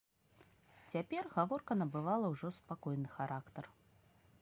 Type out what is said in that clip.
Цяпер гаворка набывала ўжо спакойны характар.